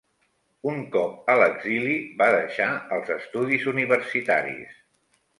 Un cop a l'exili, va deixar els estudis universitaris.